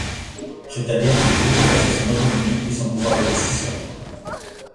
C’est-à-dire que le groupe laisse son autonomie et son pouvoir de décision.